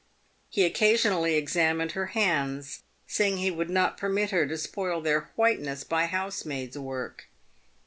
He occasionally examined her hands, saying he would not permit her to spoil their white ness by housemaid's work.